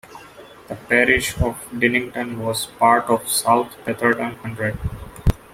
The parish of Dinnington was part of the South Petherton Hundred.